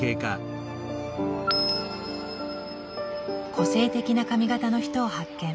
個性的な髪形の人を発見。